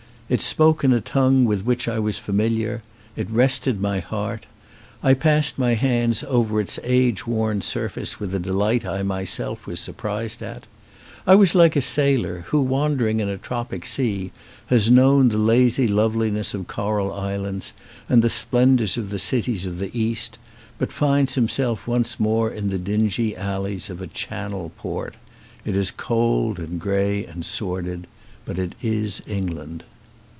It spoke in a tongue with which I was familiar. It rested my heart. I passed my hands over its age worn surface with a delight I was myself surprised at. I was like a sailor who, wandering in a tropic sea, has known the lazy' love liness of coral islands and the splendours of the cities of the East, but finds himself once more in the dingy alleys of a Channel port. It is cold and grey and sordid, but it is England.